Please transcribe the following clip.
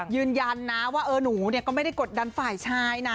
ยืนยันนะว่าหนูก็ไม่ได้กดดันฝ่ายชายนะ